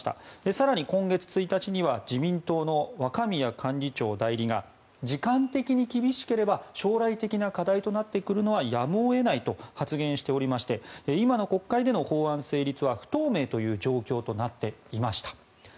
更に今月１日には自民党の若宮幹事長代理が時間的に厳しければ将来的な課題となってくるのはやむを得ないと発言しておりまして今の国会での法案成立は不透明という状況となっていました。